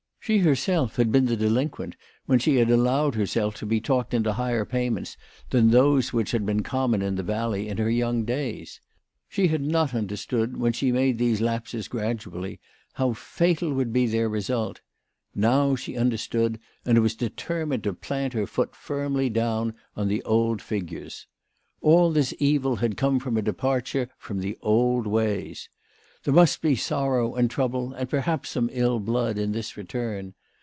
She her self had been the delinquent when she had allowed herself to be talked into higher payments than those which had been common in the valley in her young WHY FEAU FROHMANN RAISED HER PRICES. 47 days. She had not understood, when she made these lapses gradually, how fatal would be their result. Now she understood, and was determined to plant her foot firmly down on the old figures. All this evil had come from a departure from the old ways. There must he sorrow and trouble, and perhaps some ill blood, in this return.